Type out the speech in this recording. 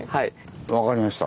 分かりました。